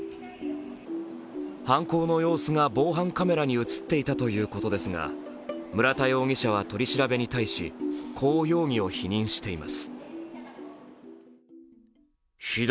犯行の様子が防犯カメラに映っていたということですが、村田容疑者は取り調べに対しこう容疑を否認しています。